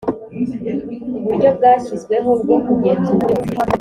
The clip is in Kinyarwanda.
uburyo bwashyizweho bwo kugenzura ibyotsi